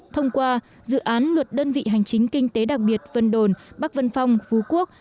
thông qua dự án luật đơn vị hành chính kinh tế đặc biệt vân đồn bắc vân phong phú quốc